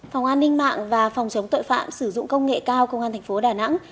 phòng an ninh mạng và phòng chống tội phạm sử dụng công nghệ cao công an thành phố đà nẵng